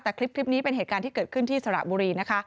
แต่คลิปนี้เป็นเหตุการณ์ที่เกิดขึ้นที่สระบุรีนะคะ